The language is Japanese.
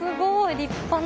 立派な。